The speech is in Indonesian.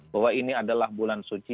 bahwa ini adalah bulan suci